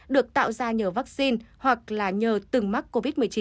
được tạo ra nhờ vaccine hoặc là nhờ từng mắc